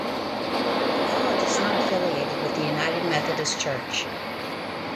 The college is not affiliated with the United Methodist Church.